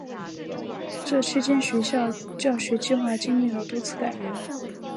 这期间学校的教学计划经历了多次改革。